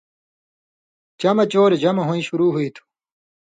چمہۡ چور جمع ہویں شروع ہُوئ تُھو۔